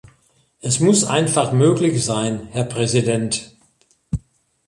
Es muss einfach möglich sein, Herr Präsident.